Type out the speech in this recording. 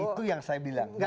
itu yang saya bilang